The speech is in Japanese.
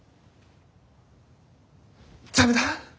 駄目だ。